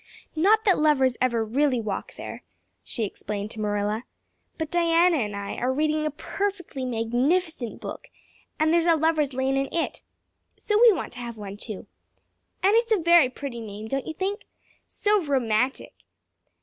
"Not that lovers ever really walk there," she explained to Marilla, "but Diana and I are reading a perfectly magnificent book and there's a Lover's Lane in it. So we want to have one, too. And it's a very pretty name, don't you think? So romantic!